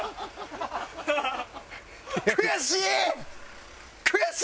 悔しい！